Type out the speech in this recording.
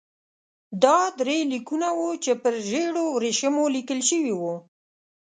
دا درې لیکونه وو چې پر ژړو ورېښمو لیکل شوي وو.